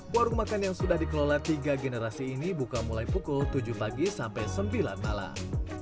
warung makan yang sudah dikelola tiga generasi ini buka mulai pukul tujuh pagi sampai sembilan malam